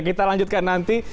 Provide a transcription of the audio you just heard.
kita lanjutkan nanti